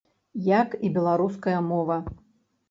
Як і беларуская мова.